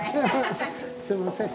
すいません。